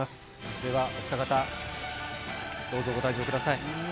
では、お二方、どうぞ、ご退場ください。